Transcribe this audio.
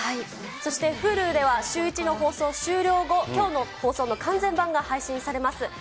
そしてＨｕｌｕでは、シューイチの放送終了後、きょうの放送の完全版が配信されます。